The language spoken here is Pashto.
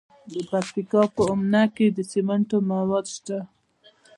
د پکتیکا په اومنه کې د سمنټو مواد شته.